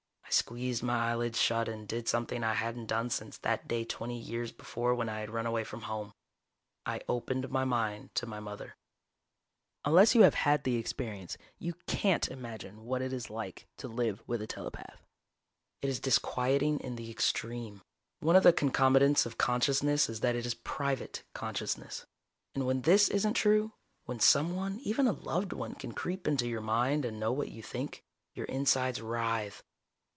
I squeezed my eyelids shut and did something I hadn't done since that day twenty years before when I had run away from home. I opened my mind to my mother. Unless you have had the experience, you can't imagine what it is like to live with a telepath. It is disquieting in the extreme. One of the concomitants of consciousness is that it is private consciousness. And when this isn't true, when someone, even a loved one, can creep into your mind and know what you think, your insides writhe.